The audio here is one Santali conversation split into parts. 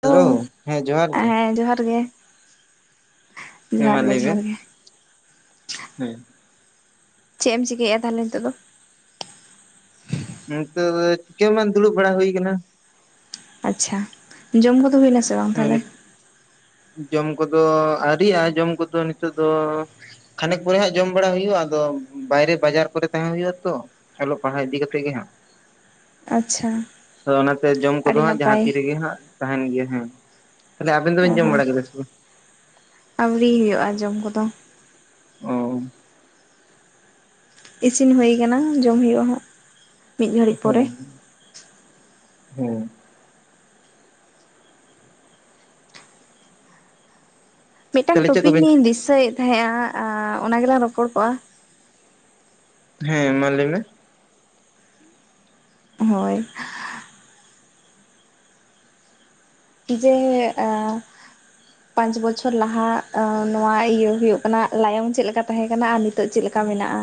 ᱦᱮᱞᱳ ᱦᱮᱸ ᱡᱚᱦᱟᱨ ᱜᱮ ᱦᱮᱸ ᱡᱚᱦᱟᱨ ᱜᱮ᱾ ᱦᱮᱸ ᱡᱚᱦᱟᱨ ᱢᱟ ᱜᱮ ᱞᱟᱹᱭ ᱡᱚᱦᱟᱨ ᱵᱮᱱ ᱜᱮ ᱦᱮᱸ᱾ ᱪᱮᱫ ᱮᱢ ᱪᱤᱠᱟᱹᱭᱮᱭᱟ ᱛᱟᱦᱚᱞᱮ ᱱᱤᱛᱚᱜ ᱫᱚ? ᱱᱤᱛᱚᱜ ᱫᱚ ᱪᱮᱦᱚ ᱵᱟᱝ ᱫᱩᱲᱩᱵ ᱵᱟᱲᱟ ᱦᱩᱭ ᱟᱠᱟᱱᱟ᱾ ᱟᱪᱪᱷᱟ ᱡᱚᱢ ᱠᱚᱫᱚ ᱦᱩᱭ ᱱᱟᱥᱮ᱾ ᱦᱮᱸ ᱡᱚᱢ ᱠᱚᱫᱚ ᱟᱹᱨᱤᱭᱟᱜᱼᱟ ᱡᱚᱢ ᱠᱚᱫᱚ ᱱᱤᱛᱚᱜ ᱫᱚ᱾ ᱠᱷᱟᱱᱮᱠ ᱯᱚᱨᱮ ᱦᱟᱸᱜ ᱡᱚᱢ ᱵᱟᱲᱟ ᱦᱩᱭᱩᱜᱼᱟ ᱟᱫᱚ ᱵᱟᱭᱨᱮ ᱵᱟᱡᱟᱨ ᱠᱚᱨᱮ ᱛᱟᱦᱮᱸ ᱦᱩᱭᱩᱜᱼᱟ ᱛᱚ᱾ ᱚᱞᱚᱜ ᱯᱟᱲᱦᱟ ᱤᱫᱤ ᱠᱟᱛᱮ ᱜᱮ ᱦᱮᱸ᱾ ᱟᱪᱪᱷᱟ ᱟᱫᱚ ᱚᱱᱟᱛᱮ ᱡᱚᱢ ᱠᱚᱫᱚ ᱟᱹᱰᱤ ᱦᱟᱸᱜ ᱡᱟᱦᱟᱸ ᱱᱟᱯᱟᱭ ᱛᱤ ᱨᱮᱜᱮ ᱦᱟᱸᱜ ᱛᱟᱦᱮᱱ ᱜᱮᱭᱟ ᱦᱮᱸ᱾ ᱛᱟᱦᱚᱞᱮ ᱟᱵᱤᱱ ᱚ ᱫᱚᱵᱮᱱ ᱡᱚᱢ ᱦᱚᱸ ᱵᱟᱲᱟ ᱠᱮᱫᱟ ᱥᱮ ᱵᱟᱝ? ᱟᱹᱣᱨᱤ ᱦᱩᱭᱩᱜᱼᱟ ᱡᱚᱢ ᱠᱚᱫᱚ᱾ ᱚᱸ᱾ ᱤᱥᱤᱱ ᱦᱳᱭ ᱠᱟᱱᱟ᱾ ᱡᱚᱢ ᱦᱩᱭᱩᱜᱼᱟ ᱦᱟᱸᱜ᱾ ᱢᱤᱫ ᱜᱷᱟᱹᱲᱤᱡ ᱯᱚᱨᱮ ᱦᱩᱸ ᱦᱩᱸ᱾ ᱢᱤᱫᱴᱟᱝ ᱛᱟᱦᱞᱮ ᱪᱮᱫ ᱴᱚᱯᱤᱠ ᱠᱚᱵᱮᱱ ᱱᱤᱭᱮᱧ [unintelligible] ᱫᱤᱥᱟᱹᱭᱮᱫ ᱛᱟᱦᱮᱸᱜᱼᱟ ᱾ ᱚᱱᱟ ᱜᱮᱞᱟᱝ ᱨᱚᱯᱚᱲ ᱠᱚᱜᱼᱟ᱾ ᱦᱮᱸ, ᱢᱟ ᱞᱟᱹᱭ ᱢᱮ᱾ ᱦᱳᱭ᱾ [unintelligible] ᱯᱟᱸᱪ ᱵᱚᱪᱷᱚᱨ ᱞᱟᱦᱟ᱾ ᱱᱚᱣᱟ ᱤᱭᱟᱹ ᱦᱳᱭᱳᱜ ᱠᱟᱱᱟ ᱞᱟᱭᱚᱝ ᱪᱮᱫ ᱞᱮᱠᱟ ᱛᱟᱦᱮᱸ ᱠᱟᱱᱟ ᱾ ᱟᱨ ᱱᱤᱛᱼᱼ ᱱᱤᱛᱳᱜ ᱪᱮᱫ ᱞᱮᱠᱟ ᱢᱮᱱᱟᱜᱼᱟ᱾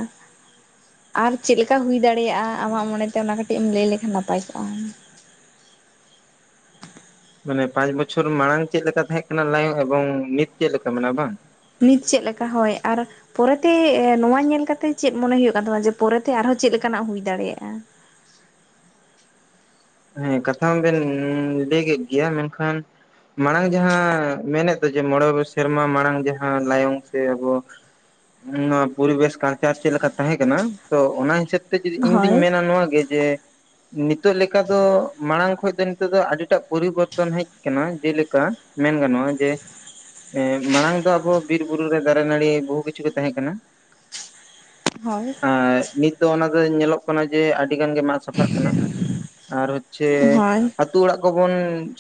ᱟᱨ ᱪᱮᱫ ᱞᱮᱠᱟ ᱦᱩᱭ ᱫᱟᱲᱮᱭᱟᱜᱼᱟ᱾ ᱟᱢᱟᱜ ᱢᱚᱱᱮᱛᱮ ᱚᱱᱟ ᱠᱟᱹᱴᱤᱡ ᱮᱢ ᱞᱟᱹᱭ ᱞᱮᱠᱷᱟᱱ ᱱᱟᱯᱟᱭ ᱠᱚᱜᱼᱟ᱾ ᱢᱟᱱᱮ ᱯᱟᱸᱪ ᱵᱚᱪᱷᱚᱨ ᱢᱟᱲᱟᱝ ᱪᱮᱫ ᱞᱮᱠᱟ ᱛᱟᱦᱮᱸ ᱠᱟᱱᱟ ᱞᱟᱭ [unintelligible] ᱮᱵᱚᱝ ᱱᱤᱛ ᱪᱮᱫᱮ ᱞᱮᱠᱟ ᱢᱮᱱᱟᱜᱼᱟ᱾ ᱵᱟᱝ? [unintelligible] ᱪᱮᱫ ᱞᱮᱠᱟ ᱦᱚᱭ ᱾ᱟᱨ ᱯᱚᱨᱮᱛᱮ ᱱᱚᱣᱟ ᱧᱮᱞ ᱠᱟᱛᱮᱜ ᱪᱮᱫ ᱢᱚᱱᱮ ᱦᱳᱭᱳᱜ ᱠᱟᱱ ᱛᱟᱢᱟ᱾ ᱡᱮ ᱯᱚᱨᱮᱛᱮ ᱟᱨᱦᱚᱸ ᱪᱮᱫ ᱞᱮᱠᱟᱱᱟᱜ ᱦᱩᱭ ᱫᱟᱲᱮᱭᱟᱜᱼᱟ᱾ ᱦᱮᱸ ᱠᱟᱛᱷᱟ ᱦᱚᱸ ᱵᱤᱱ ᱞᱟᱹᱭ ᱠᱮᱫ ᱜᱮᱭᱟ᱾ ᱢᱮᱱᱠᱷᱟᱱᱼᱼ ᱢᱟᱲᱟᱝ ᱡᱟᱦᱟᱸ ᱢᱮᱱᱮᱫ ᱫᱚ ᱡᱮ, ᱢᱚᱬᱮ ᱥᱮᱨᱢᱟ ᱢᱟᱲᱟᱝ ᱡᱟᱦᱟᱸ ᱞᱟᱭᱚᱝ ᱥᱮ ᱟᱵᱚᱼᱼ ᱱᱚᱶᱟ ᱯᱚᱨᱤᱵᱮᱥ ᱠᱟᱞᱪᱟᱨ ᱪᱮᱫ ᱞᱮᱠᱟ ᱛᱟᱦᱮᱸ ᱠᱟᱱᱟ᱾ ᱛᱚ ᱚᱱᱟ ᱦᱤᱥᱟᱹᱵᱽᱼᱼ [unintelligible] ᱡᱮ ᱤᱧ ᱦᱳᱭ ᱫᱩᱧ ᱢᱮᱱᱟ ᱱᱚᱣᱟᱜ ᱜᱮ ᱡᱮ, ᱱᱤᱛᱚᱜ ᱞᱮᱠᱟ ᱫᱚ ᱢᱟᱲᱟᱝ ᱠᱷᱚᱱ ᱫᱚ [unintelligible] ᱱᱤᱛᱚᱜ ᱫᱚ ᱟᱹᱰᱤᱴᱟᱜ ᱯᱚᱨᱤᱵᱚᱨᱛᱚᱱ ᱦᱮᱡ ᱟᱠᱟᱱᱟ᱾ ᱡᱮᱞᱮᱠᱟ ᱢᱮᱱ ᱜᱟᱱᱚᱜᱼᱟ ᱡᱮᱼᱼ ᱮᱸᱜ ᱢᱟᱲᱟᱝ ᱫᱚ ᱟᱵᱚ ᱵᱤᱨ ᱵᱩᱨᱩ ᱨᱮ ᱫᱟᱨᱮ ᱱᱟᱹᱲᱤ, ᱵᱚᱦᱩ ᱠᱤᱪᱷᱩ ᱜᱮ ᱛᱟᱦᱮᱸ ᱠᱟᱱᱟ᱾ ᱦᱳᱭ᱾ ᱟᱨ ᱱᱤᱛ ᱫᱚ ᱚᱱᱟ ᱫᱚ ᱧᱮᱞᱚᱜ ᱠᱟᱱᱟ ᱡᱮ, ᱟᱹᱰᱤ ᱜᱟᱱ ᱜᱮ ᱢᱟᱜ ᱥᱟᱯᱷᱟᱜ ᱠᱟᱱᱟ᱾ ᱟᱨ ᱦᱚᱪᱷᱮ ᱦᱳᱭ ᱟᱹᱛᱩ ᱚᱲᱟᱜ ᱠᱚᱵᱚᱱ,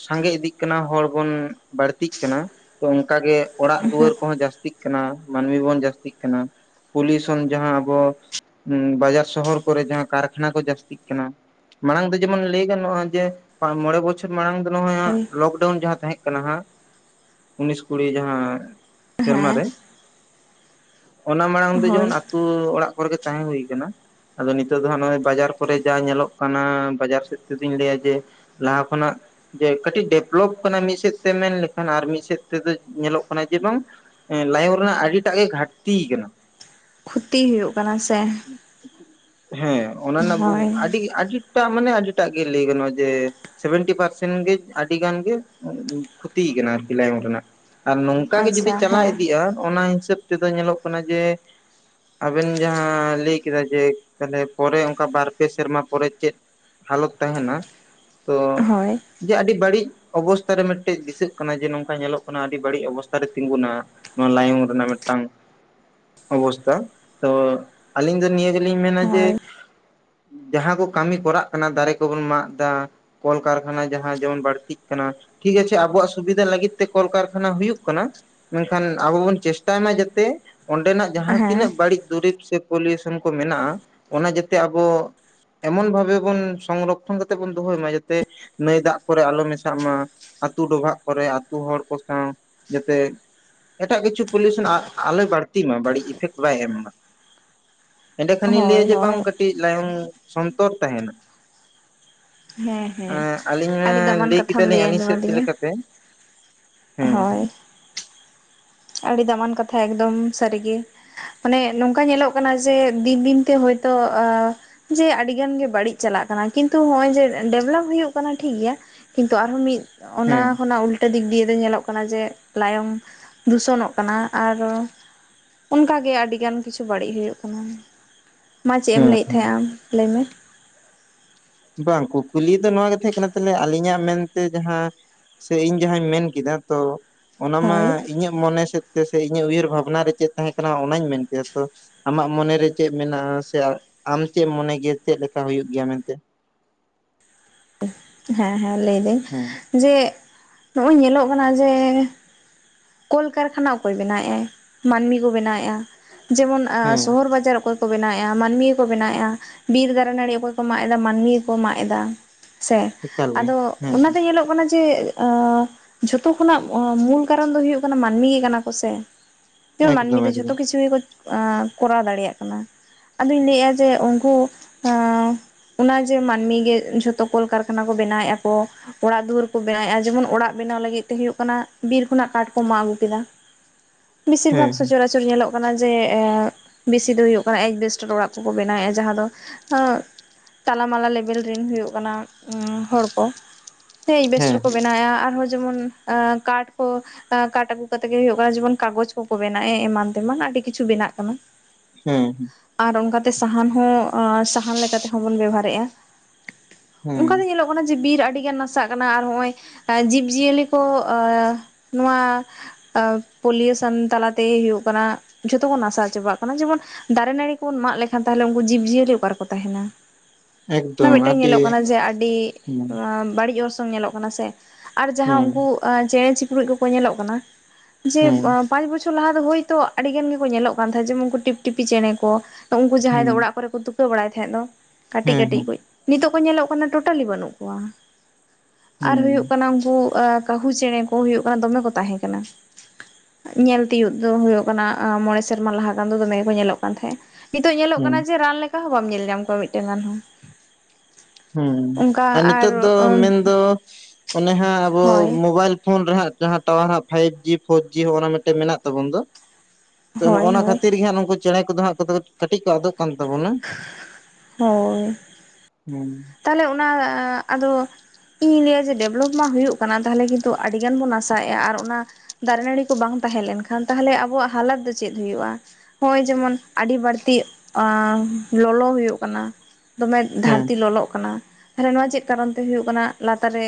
ᱥᱟᱸᱜᱮ ᱤᱫᱤᱜ ᱠᱟᱱᱟ᱾ ᱦᱚᱲ ᱵᱚᱱᱼᱼ ᱵᱟᱹᱲᱛᱤᱜ ᱠᱟᱱᱟ᱾ ᱛᱚ ᱚᱱᱠᱟᱜ ᱜᱮ ᱚᱲᱟᱜ ᱫᱩᱣᱟᱹᱨ ᱦᱳᱭ ᱠᱚᱦᱚᱸ ᱡᱟᱹᱥᱛᱤᱼᱼ [unintelligible] ᱢᱟᱹᱱᱢᱤ ᱵᱚᱱ ᱡᱟᱹᱥᱛᱤᱜ ᱠᱟᱱᱟ᱾ ᱯᱚᱞᱤᱭᱩᱥᱚᱱ ᱡᱟᱦᱟᱸ ᱟᱵᱚᱼᱼ ᱵᱟᱡᱟᱨ ᱥᱚᱦᱚᱨ ᱠᱚᱨᱮ ᱡᱟᱦᱟᱸ ᱠᱟᱨᱠᱷᱟᱱᱟ ᱠᱚ ᱡᱟᱹᱥᱛᱤᱜ ᱠᱟᱱᱟ᱾ ᱢᱟᱲᱟᱝ ᱫᱚᱼᱼ ᱡᱮᱢᱚᱱ ᱞᱟᱹᱭ ᱜᱟᱱᱚᱜᱼᱟ ᱡᱮ, ᱢᱚᱬᱮ ᱵᱚᱪᱷᱚᱨ ᱢᱟᱲᱟᱝ ᱫᱚ ᱱᱚᱭ ᱦᱟᱸᱜ ᱞᱚᱠᱰᱟᱣᱩᱱ ᱡᱟᱦᱟᱸ ᱛᱟᱦᱮᱸ ᱠᱟᱱᱟ᱾ ᱠᱟᱱᱟ ᱦᱟᱸᱜ, ᱩᱱᱤᱥ ᱠᱩᱲᱤ ᱡᱟᱦᱟᱸ ᱥᱮᱨᱢᱟ ᱦᱮᱸ ᱨᱮ᱾ ᱚᱱᱟ ᱢᱟᱲᱟᱝ ᱫᱚ ᱦᱳᱭ ᱡᱮᱢᱚᱱ ᱟᱹᱛᱩ ᱚᱲᱟᱜᱼᱼ ᱠᱚᱨᱮ ᱜᱮ ᱛᱟᱦᱮᱸ ᱦᱩᱭ ᱠᱟᱱᱟ᱾ ᱟᱫᱚ ᱱᱤᱛᱳᱜ ᱫᱚ ᱦᱟᱜ ᱱᱚᱜᱼᱚᱭ ᱵᱟᱡᱟᱨ ᱠᱚᱨᱮ ᱡᱟ ᱧᱮᱞᱚᱜ ᱠᱟᱱᱟ᱾ ᱵᱟᱡᱟᱨ ᱥᱮᱫ ᱛᱮ ᱫᱚᱧ ᱞᱟᱹᱭᱼᱟ ᱡᱮ, ᱞᱟᱦᱟ ᱠᱷᱚᱱᱟᱜ ᱡᱮ ᱠᱟᱹᱴᱤᱡ ᱰᱮᱵᱷᱞᱚᱯ ᱠᱟᱱᱟ ᱢᱤᱫ ᱥᱮᱫ ᱛᱮ ᱢᱮᱱ ᱞᱮᱠᱷᱟᱱ᱾ ᱟᱨ ᱢᱤᱫ ᱥᱮᱫ ᱛᱮᱫᱚ ᱧᱮᱞᱚᱜ ᱠᱟᱱᱟ ᱡᱮ, ᱵᱟᱝᱼᱼ ᱮᱸ ᱞᱟᱭᱚᱝ ᱨᱮᱱᱟᱜ ᱟᱹᱰᱤᱴᱟᱜ ᱜᱮ ᱜᱷᱟᱴᱛᱤ ᱠᱟᱱᱟ᱾ ᱠᱷᱩᱛᱤ ᱦᱩᱭᱩᱜ ᱠᱟᱱᱟ ᱥᱮ᱾ ᱦᱮᱸ, ᱚᱱᱟ ᱨᱮᱱᱟᱜ ᱵᱩ, ᱦᱳᱭ ᱟᱹᱰᱤ ᱟᱹᱰᱤᱴᱟ ᱢᱟᱱᱮ ᱟᱹᱰᱤᱴᱟᱜ ᱜᱮ ᱞᱟᱹᱭ ᱜᱟᱱᱚᱜᱼᱟ᱾ ᱡᱮ ᱥᱮᱵᱷᱮᱱᱴᱤ ᱯᱟᱨᱥᱮᱱ ᱜᱮ ᱾ᱟᱹᱰᱤ ᱜᱟᱱᱜᱮ, ᱠᱷᱚᱛᱤᱭ ᱠᱟᱱᱟ ᱟᱨᱠᱤ ᱞᱟᱭᱚᱝ ᱨᱮᱱᱟᱜ᱾ ᱟᱨ ᱱᱚᱝᱠᱟ ᱜᱮ ᱡᱩᱫᱤ ᱟᱪᱪᱷᱟ ᱪᱟᱞᱟᱣ ᱦᱮᱸ ᱤᱫᱤᱜᱼᱟ᱾ ᱚᱱᱟ ᱦᱤᱥᱟᱹᱵᱽ ᱛᱮᱫᱚ ᱧᱮᱞᱚᱜ ᱠᱟᱱᱟ ᱡᱮᱼᱼ ᱟᱵᱮᱱ ᱡᱟᱦᱟᱸ ᱞᱟᱹᱭ ᱠᱮᱫᱟ ᱡᱮ, ᱛᱟᱦᱞᱮ ᱯᱚᱨᱮ ᱚᱱᱠᱟ ᱵᱟᱨ ᱯᱮ ᱥᱮᱨᱢᱟ ᱯᱚᱨᱮ ᱪᱮᱫᱼᱼ ᱦᱟᱞᱚᱛ ᱛᱟᱦᱮᱱᱟ᱾ ᱛᱚ ᱦᱳᱭ᱾ ᱡᱮ ᱟᱹᱰᱤ ᱵᱟᱹᱲᱤᱡ ᱚᱵᱚᱥᱛ ᱨᱮ ᱢᱤᱫᱴᱮᱡ ᱫᱤᱥᱟᱹᱜ ᱠᱟᱱᱟ ᱾ ᱡᱮ ᱱᱚᱝᱠᱟ ᱧᱮᱞᱚᱜ ᱠᱟᱱᱟ᱾ ᱟᱹᱰᱤ ᱵᱟᱹᱲᱤᱡ ᱚᱵᱚᱥᱛᱮ ᱛᱤᱸᱜᱩᱱᱟ᱾ ᱱᱚᱣᱟ ᱞᱟᱭᱚᱝ ᱨᱮᱱᱟᱜ ᱢᱤᱫᱴᱟᱝ ᱚᱵᱚᱥᱛᱷᱟ ᱾ᱛᱚ ᱟᱹᱞᱤᱧ ᱫᱚ ᱱᱤᱭᱟᱹ ᱜᱮᱼᱼ ᱟᱞᱤᱧ ᱢᱮᱱᱟ ᱡᱮ, ᱦᱳᱭ ᱡᱟᱦᱟᱸ ᱠᱚ ᱠᱟᱹᱢᱤ ᱠᱚᱨᱟᱜ ᱠᱟᱱᱟ ᱾ ᱫᱟᱨᱮ ᱠᱚᱵᱚᱱ ᱢᱟᱜ ᱫᱟᱼᱼ ᱠᱚᱞ ᱠᱟᱨᱠᱷᱟᱱᱟ ᱡᱟᱦᱟᱸ ᱡᱮᱢᱚᱱ ᱵᱟᱹᱲᱛᱤᱜ ᱠᱟᱱᱟ᱾ ᱴᱷᱤᱠ ᱟᱪᱷᱮ ᱟᱵᱚᱣᱟᱜ ᱥᱩᱵᱤᱫᱷᱟ ᱞᱟᱹᱜᱤᱫ ᱛᱮ, ᱠᱚᱞ ᱠᱟᱨᱠᱷᱟᱱᱟ ᱦᱩᱭᱩᱜ ᱠᱟᱱᱟ᱾ ᱢᱮᱱᱠᱷᱟᱱ ᱟᱵᱚ ᱵᱚᱱ ᱪᱮᱥᱴᱟᱭ ᱢᱟ ᱡᱟᱛᱮ, ᱚᱸᱰᱮᱱᱟᱜ ᱡᱟᱦᱟᱸ ᱦᱮᱸ ᱛᱤᱱᱟᱹᱜ ᱵᱟᱹᱲᱤᱡ ᱫᱩᱨᱤᱵᱽ ᱥᱮᱼᱼ ᱤᱭᱚᱱ ᱢᱮᱱᱟᱜᱼᱟ ᱚᱱᱟ ᱡᱟᱛᱮ ᱟᱵᱚ ᱮᱢᱚᱱ ᱵᱷᱟᱵᱮ, ᱚᱱ ᱥᱚᱝᱨᱚᱠᱠᱷᱚᱱ ᱠᱟᱛᱮ ᱵᱚᱱ ᱫᱚᱦᱚᱭ ᱢᱟ ᱡᱟᱛᱮ ᱱᱟᱹᱭ ᱫᱟᱜ ᱠᱚᱨᱮ ᱟᱞᱚ ᱢᱮᱥᱟᱜ ᱢᱟ ᱾ ᱟᱹᱛᱩ ᱰᱚᱵᱷᱟᱜ ᱠᱚᱨᱮᱜ ᱟᱹᱛᱩ ᱦᱚᱲ ᱠᱚ ᱥᱟᱶ ᱡᱮᱛᱮ, ᱮᱴᱟᱜ ᱠᱤᱪᱷᱩ ᱯᱤᱭᱮᱥᱚᱱ ᱟᱞᱚᱭ ᱵᱟᱹᱲᱛᱤ ᱢᱟ ᱵᱟᱹᱲᱤᱡ ᱤᱯᱷᱮᱠᱴ ᱵᱟᱭ ᱮᱢ ᱢᱟ ᱾ ᱮᱸᱰᱮᱠᱷᱟᱱ ᱤᱧ ᱦᱳᱭ ᱞᱟᱹᱭᱟ ᱡᱮ ᱵᱟᱝ ᱦᱳᱭ ᱠᱟᱹᱴᱤᱡ ᱞᱟᱭᱚᱝ ᱥᱚᱱᱛᱚᱨ ᱛᱟᱦᱮᱱᱟ ᱾ ᱦᱮᱸ ᱦᱮᱸ ᱦᱸ ᱟᱹᱞᱤᱧ ᱢᱟ ᱟᱹᱰᱤ ᱫᱟᱢᱟᱱ ᱞᱟᱹᱭ ᱠᱟᱛᱷᱟᱢ ᱠᱮᱫᱟᱞᱤᱧ ᱟᱹᱞᱤᱧ ᱟᱸᱡᱚᱢ ᱥᱮᱫ ᱥᱮᱫ ᱟᱹᱫᱤᱧᱟ ᱞᱮᱠᱟ ᱛᱮ ᱾ ᱦᱳᱭ ᱾ ᱟᱹᱰᱤ ᱫᱟᱢᱟᱱ ᱠᱟᱛᱷᱟ ᱮᱠᱫᱚᱢ ᱥᱟᱹᱨᱤ ᱜᱮ ᱾ ᱢᱟᱱᱮ ᱱᱚᱝᱠᱟ ᱧᱮᱞᱚᱜ ᱠᱟᱱᱟ ᱡᱮ ᱫᱤᱱ ᱫᱤᱱᱛᱮ ᱦᱚᱭᱛᱚ, ᱡᱮ ᱟᱹᱰᱤᱜᱟᱱ ᱜᱮ ᱵᱟᱹᱲᱤᱡ ᱪᱟᱞᱟᱜ ᱠᱟᱱᱟ, ᱠᱤᱱᱛᱩ ᱱᱚᱜᱼᱚᱭ ᱡᱮ ᱰᱮᱵᱷᱞᱚᱯ ᱦᱩᱭᱩᱜ ᱠᱟᱱᱟ ᱴᱷᱤᱠ ᱜᱮᱭᱟ ᱾ ᱠᱤᱱᱛᱩ ᱟᱨᱦᱚᱸ ᱢᱤᱫ ᱚᱱᱟ ᱦᱮᱸ ᱠᱷᱚᱱᱟᱜ ᱩᱞᱴᱟᱹ ᱫᱤᱠ ᱫᱤᱭᱮ ᱫᱚ ᱧᱮᱞᱚᱜ ᱠᱟᱱᱟ ᱡᱮ ᱞᱟᱭᱚᱝ ᱫᱩᱥᱚᱱᱚᱜ ᱠᱟᱱᱟ, ᱟᱨ ᱚᱱᱠᱟᱜ ᱜᱮ ᱟᱹᱰᱤᱜᱟᱱ ᱠᱤᱪᱷᱩ ᱵᱟᱹᱲᱤᱡ ᱦᱩᱭᱩᱜ ᱠᱟᱱᱟ ᱾ ᱢᱟ ᱪᱮᱫ ᱮᱢ ᱦᱮᱸ ᱞᱟᱹᱭᱮᱫ ᱛᱟᱦᱮᱸᱱᱟ ᱟᱢ ᱞᱟᱹᱭ ᱢᱮ ᱾ ᱵᱟᱝ ᱠᱩᱠᱞᱤ ᱫᱚ ᱱᱚᱣᱟᱜᱮ ᱛᱟᱦᱮᱸ ᱠᱟᱱᱟ ᱛᱟᱦᱚᱞᱮ ᱟᱹᱞᱤᱧᱟᱜ ᱢᱮᱱᱛᱮ ᱡᱟᱦᱟᱸ ᱥᱮ ᱤᱧ ᱡᱟᱦᱟᱧ ᱢᱮᱱ ᱠᱮᱫᱟ ᱛᱚ ᱚᱱᱟᱢᱟ ᱦᱳᱭ ᱤᱧᱟᱹᱜ ᱢᱚᱱᱮ ᱥᱮᱫ ᱥᱮ ᱤᱧᱟᱹᱜ ᱩᱭᱦᱟᱹᱨ ᱵᱷᱟᱵᱽᱱᱟ ᱨᱮ ᱪᱮᱫ ᱛᱟᱦᱮᱸ ᱠᱟᱱᱟ ᱚᱱᱟᱧ ᱢᱮᱱ ᱠᱮᱫᱟ ᱛᱚ᱾ ᱟᱢᱟᱜ ᱢᱚᱱᱮ ᱨᱮ ᱪᱮᱫ ᱢᱮᱱᱟᱜᱼᱟ ᱥᱮ ᱟᱢ ᱪᱮᱫ ᱢᱚᱱᱮ ᱜᱮᱭᱟ ᱪᱮᱫ ᱞᱮᱠᱟ ᱦᱩᱭᱩᱜ ᱜᱮᱭᱟ ᱢᱮᱱᱛᱮ? ᱦᱮᱸ ᱦᱮᱸ ᱞᱟᱹᱭᱫᱟᱹᱧ ᱾ ᱦᱮᱸ᱾ ᱡᱮ ᱱᱚᱜᱼᱚᱭ ᱧᱮᱞᱚᱜ ᱠᱟᱱᱟ ᱡᱮ ᱠᱚᱞ ᱠᱟᱨᱠᱷᱟᱱᱟ ᱚᱠᱚᱭ ᱵᱮᱱᱟᱣᱮᱫ ᱟᱭ ᱢᱟᱹᱱᱢᱤ ᱠᱚ ᱵᱮᱱᱟᱣᱮᱫᱼᱟ ᱡᱮᱢᱚᱱ ᱦᱮᱸ ᱥᱚᱦᱚᱨ ᱵᱟᱡᱟᱨ ᱚᱠᱚᱭ ᱠᱚ ᱠᱚ ᱵᱮᱱᱟᱣᱮᱫᱼᱟ, ᱢᱟᱹᱱᱢᱤ ᱜᱮᱠᱚ ᱵᱮᱱᱟᱣᱮᱫᱼᱟ ᱵᱤᱨ ᱫᱟᱨᱮ ᱱᱟᱹᱲᱤ ᱚᱠᱚᱭ ᱠᱚ ᱢᱟᱜ ᱮᱫᱟ ᱢᱟᱹᱱᱢᱤᱠᱚ ᱢᱟᱜ ᱮᱫᱟ ᱾ ᱥᱮ ᱮᱠᱟᱞ ᱜᱮ ᱟᱫᱚ ᱦᱮᱸ ᱚᱱᱟᱛᱮ ᱧᱮᱞᱚᱜ ᱠᱟᱱᱟ ᱡᱮ ᱮᱻᱮ ᱡᱷᱚᱛᱚ ᱠᱷᱚᱱᱟᱜ ᱢᱩᱞ ᱠᱟᱨᱚᱱ ᱫᱚ ᱦᱩᱭᱩᱜ ᱠᱟᱱᱟ ᱢᱟᱹᱱᱢᱤ ᱜᱮ ᱠᱟᱱᱟ ᱠᱚᱥᱮ? ᱡᱮᱢᱚᱱ ᱢᱟᱹᱱᱢᱤ ᱮᱠᱫᱚᱢ ᱫᱚ ᱡᱷᱚᱛᱚ ᱮᱠᱫᱚᱢ ᱠᱤᱪᱷᱩ ᱜᱮᱠᱚ ᱠᱚᱨᱟᱣ ᱫᱟᱲᱮᱭᱟᱜ ᱠᱟᱱᱟ ᱾ ᱟᱫᱚᱧ ᱞᱟᱹᱭᱮᱫᱼᱟ ᱡᱮ ᱩᱱᱠᱩ ᱚᱱᱟ ᱡᱮ ᱢᱟᱹᱱᱢᱤ ᱜᱮ ᱡᱷᱚᱛᱚ ᱠᱚᱞ ᱠᱟᱨᱠᱷᱟᱱᱟ ᱠᱚ ᱵᱮᱱᱟᱣᱮᱫᱼᱟ ᱠᱚ᱾ ᱚᱲᱟᱜ ᱫᱩᱣᱟᱹᱨ ᱠᱚ ᱵᱮᱱᱟᱣᱮᱫᱼᱟ, ᱡᱮᱢᱚᱱ ᱚᱲᱟᱜ ᱵᱮᱱᱟᱣ ᱞᱟᱹᱜᱤᱫ ᱛᱮ ᱦᱩᱭᱩᱜ ᱠᱟᱱᱟ ᱵᱤᱨ ᱠᱷᱚᱱᱟᱜ ᱠᱟᱴᱷ ᱠᱚ ᱢᱟᱜ ᱟᱹᱜᱩ ᱠᱮᱫᱟ, ᱵᱮᱥᱤᱨ ᱦᱮᱸ ᱵᱷᱟᱜᱽ ᱦᱮᱸ ᱥᱚᱪᱟ ᱨᱟ ᱯᱨᱚᱪᱩᱨ ᱧᱮᱞᱚᱜ ᱠᱟᱱᱟ ᱡᱮ ᱮ ᱵᱮᱥᱤ ᱫᱚ ᱦᱩᱭᱩᱜ ᱠᱟᱱᱟ ᱡᱮ ᱮᱡᱽᱵᱮᱥᱴᱟᱨ ᱚᱲᱟᱜ ᱠᱚᱠᱚ ᱵᱮᱱᱟᱣᱮᱫᱼᱟ ᱡᱟᱦᱟᱸ ᱫᱚ ᱛᱟᱞᱟᱢᱟᱞᱟ ᱞᱮᱵᱮᱞ ᱨᱮᱱ ᱦᱩᱭᱩᱜ ᱠᱟᱱᱟ ᱦᱚᱲ ᱠᱚ, ᱥᱮ ᱦᱮᱸ ᱮᱡᱽᱵᱮᱥᱴᱟᱨ ᱠᱚ ᱵᱮᱱᱟᱣ ᱮᱫ ᱟ ᱟᱨᱦᱚᱸ ᱡᱮᱢᱚᱱ ᱠᱟᱴᱷ ᱠᱚ, ᱠᱟᱴ ᱟᱹᱜᱩ ᱠᱟᱛᱮ ᱜᱮ ᱦᱩᱭᱩᱜ ᱠᱟᱱᱟ ᱡᱮᱢᱚᱱ ᱠᱟᱜᱚᱡᱽ ᱠᱚᱠᱚ ᱵᱮᱱᱟᱣ ᱮᱫ ᱟ ᱮᱢᱟᱱ ᱛᱮᱢᱟᱱ ᱟᱹᱰᱤ ᱠᱤᱪᱷᱩ ᱵᱮᱱᱟᱜ ᱠᱟᱱᱟ ᱾ ᱦᱮᱸ ᱾ ᱟᱨ ᱚᱱᱠᱟᱛᱮ ᱥᱟᱦᱟᱱ ᱦᱚᱸ ᱥᱟᱦᱟᱱ ᱞᱮᱠᱟᱛᱮ ᱦᱚᱸᱵᱚᱱ ᱵᱮᱵᱷᱟᱨᱮᱫᱼᱟ᱾ ᱦᱮᱸ ᱚᱱᱠᱟᱛᱮ ᱧᱮᱞᱚᱜ ᱠᱟᱱᱟ ᱡᱮ ᱵᱤᱨ ᱟᱹᱰᱤᱜᱟᱱ ᱱᱟᱥᱟᱜ ᱠᱟᱱᱟ ᱾ᱟᱨ ᱦᱚᱸᱜᱼᱚᱭ ᱡᱤᱵᱼᱡᱤᱭᱟᱹᱞᱤ ᱠᱚ ᱱᱚᱣᱟ ᱯᱚᱞᱤᱭᱮᱥᱚᱱ ᱛᱟᱞᱟᱛᱮ ᱦᱩᱭᱩᱜ ᱠᱟᱱᱟ ᱡᱷᱚᱛᱚ ᱠᱚ ᱱᱟᱥᱟᱣ ᱪᱟᱵᱟᱜ ᱠᱟᱱᱟ᱾ ᱡᱮᱢᱚᱱ ᱫᱟᱨᱮ ᱱᱟᱹᱲᱤ ᱠᱚᱵᱚᱱ ᱢᱟᱜ ᱞᱮᱠᱷᱟᱱ ᱛᱟᱦᱚᱞᱮ ᱩᱱᱠᱩ ᱡᱤᱵᱽᱼᱡᱤᱭᱟᱹᱞᱤ ᱚᱠᱟ ᱨᱮ ᱠᱚ ᱛᱟᱦᱮᱱᱟ? ᱚᱱᱟ ᱮᱠᱫᱚᱢ ᱢᱤᱫᱴᱮᱱ ᱟᱹᱰᱤ ᱧᱮᱞᱚᱜ ᱠᱟᱱᱟ ᱡᱮ ᱟᱹᱰᱤ ᱦᱮᱸ ᱵᱟᱹᱲᱤᱡ ᱚᱨᱥᱚᱝ ᱧᱮᱞᱚᱜ ᱠᱟᱱᱟ ᱥᱮ ᱾ ᱟᱨ ᱡᱟᱦᱟᱸ ᱦᱮᱸ ᱩᱱᱠᱩ ᱪᱮᱬᱮ ᱪᱤᱯᱨᱩᱡ ᱠᱚᱠᱚ ᱧᱮᱞᱚᱜ ᱠᱟᱱᱟ ᱡᱮ ᱦᱮᱸ ᱯᱟᱸᱪ ᱵᱚᱪᱷᱚᱨ ᱞᱟᱦᱟ ᱫᱚ ᱦᱳᱭᱛᱳ ᱟᱹᱰᱤ ᱜᱟᱱ ᱜᱮᱠᱚ ᱧᱮᱞᱚᱜ ᱠᱟᱱ ᱛᱟᱦᱮᱸᱫ, ᱡᱮᱢᱚᱱ ᱩᱱᱠᱩ ᱴᱤᱯ ᱴᱤᱯᱤ ᱪᱮᱬᱮ ᱠᱚ ᱛᱚ ᱩᱱᱠᱩ ᱦᱮᱸ ᱡᱟᱦᱟᱸᱭ ᱫᱚ ᱚᱲᱟᱜ ᱠᱚᱨᱮ ᱠᱚ ᱛᱩᱠᱟᱹ ᱵᱟᱲᱟᱭ ᱛᱟᱦᱮᱸᱫ ᱫᱚ ᱦᱮᱸ ᱠᱟᱹᱴᱤᱡ ᱦᱮᱸ ᱠᱟᱹᱴᱤᱡ ᱾ ᱱᱤᱛᱚᱜ ᱠᱚ ᱧᱮᱞᱚᱜ ᱠᱟᱱᱟ ᱴᱳᱴᱟᱞᱤ ᱵᱟᱹᱱᱩᱜ ᱠᱚᱣᱟ ᱾ ᱟᱨ ᱦᱮᱸ ᱦᱩᱭᱩᱜ ᱠᱟᱱᱟ ᱩᱱᱠᱩ ᱟᱨ ᱠᱟᱹᱦᱩ ᱪᱮᱬᱮ ᱠᱚ ᱦᱩᱭᱩᱜ ᱠᱟᱱᱟ ᱫᱚᱢᱮ ᱠᱚ ᱛᱟᱦᱮᱸ ᱠᱟᱱᱟ ᱾ ᱧᱮᱞ ᱛᱤᱭᱳᱜ ᱫᱚ ᱦᱩᱭᱩᱜ ᱠᱟᱱᱟ ᱢᱚᱬᱮ ᱥᱮᱨᱢᱟ ᱞᱟᱦᱟ ᱜᱟᱱ ᱫᱚ ᱫᱚᱢᱮ ᱜᱮᱠᱚ ᱧᱮᱞᱚᱜ ᱠᱟᱱ ᱛᱟᱦᱮᱸᱫ-ᱟ᱾ ᱱᱤᱛᱚᱜ ᱧᱮᱞᱚᱜ ᱦᱩᱸ ᱠᱟᱱᱟ ᱡᱮ ᱨᱟᱱ ᱞᱮᱠᱟ ᱦᱚᱸ ᱵᱟᱢ ᱧᱮᱞ ᱧᱟᱢ ᱠᱚᱣᱟ ᱢᱤᱫᱴᱟᱝ ᱜᱟᱱ ᱦᱚᱸ᱾ ᱦᱩᱸ ᱟᱨ ᱱᱤᱛᱚᱜ ᱫᱚ ᱢᱮᱱ ᱫᱚ ᱚᱱᱮ ᱦᱟᱸᱜ ᱟᱵᱚ ᱦᱳᱭ ᱢᱳᱵᱟᱭᱤᱞ ᱯᱷᱳᱱ ᱨᱮ ᱦᱟᱸᱜ ᱡᱟᱦᱟᱸ ᱴᱟᱣᱟᱨ ᱦᱟᱸᱜ ᱯᱷᱟᱭᱤᱵᱽ ᱡᱤ, ᱯᱦᱳᱨ ᱡᱤ ᱦᱚᱸᱜ ᱱᱟ ᱢᱤᱫᱴᱮᱱ ᱢᱮᱱᱟᱜ ᱛᱟᱵᱚᱱ ᱫᱚ, ᱛᱚ ᱱᱚᱜᱼ ᱦᱳᱭ ᱚᱱᱟ ᱦᱳᱭ ᱠᱷᱟᱹᱛᱤᱨ ᱜᱮ ᱱᱩᱝᱠᱩ ᱪᱮᱬᱮ ᱠᱚᱫᱚ ᱦᱟᱸᱜ [unintelligible] ᱠᱟᱹᱴᱤᱡ ᱠᱚ ᱟᱫᱚᱜ ᱠᱟᱱ ᱛᱟᱵᱚᱱᱟ᱾ ᱦᱳᱭ᱾ [unintelligible] ᱛᱟᱦᱞᱮ ᱚᱱᱟ ᱟᱫᱚ ᱤᱧᱤᱧ ᱞᱟᱹᱭᱟ ᱡᱮ ᱰᱮᱵᱷᱞᱚᱯ ᱢᱟ ᱦᱩᱭᱩᱜ ᱠᱟᱱᱟ ᱛᱟᱦᱚᱞᱮ ᱠᱤᱱᱛᱩ ᱟᱹᱰᱤ ᱜᱟᱱ ᱵᱚᱱ ᱱᱟᱥᱟᱣ ᱮᱫᱼᱟ ᱟᱨ ᱚᱱᱟ ᱫᱟᱨᱮ ᱱᱟᱹᱲᱤ ᱠᱚ ᱵᱟᱝ ᱛᱟᱦᱮᱸ ᱞᱮᱱ ᱠᱷᱟᱱ ᱛᱟᱦᱚᱞᱮ ᱟᱵᱚᱣᱟᱜ ᱦᱟᱞᱚᱛ ᱫᱚ ᱪᱮᱫ ᱦᱩᱭᱩᱜᱼᱟ? ᱦᱚᱸᱜ-ᱚᱭ ᱡᱮᱢᱚᱱ ᱟᱹᱰᱤ ᱵᱟᱹᱲᱛᱤ ᱮᱸ ᱞᱚᱞᱚ ᱦᱩᱭᱩᱜ ᱠᱟᱱᱟ ᱫᱚᱢᱮ ᱦᱮᱸ ᱫᱷᱟᱹᱨᱛᱤ ᱞᱚᱞᱚᱜ ᱠᱟᱱᱟ ᱛᱟᱦᱞᱮ ᱱᱚᱣᱟ ᱪᱮᱫ ᱠᱟᱨᱚᱱ ᱛᱮ ᱦᱩᱭᱩᱜ ᱠᱟᱱᱟ? ᱞᱟᱛᱟᱨ ᱨᱮ